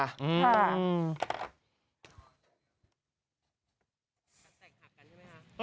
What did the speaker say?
อืม